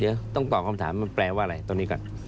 เดี๋ยวต้องตอบคำถามมันแปลว่าอะไรตรงนี้ก่อน